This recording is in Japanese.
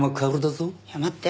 いや待って。